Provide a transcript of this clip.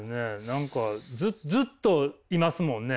何かずっといますもんね。